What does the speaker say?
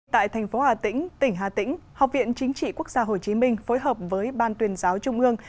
tại thành phố hà tĩnh tỉnh hà tĩnh học viện chính trị quốc gia hồ chí minh phối hợp với ban tuyên giáo trung ương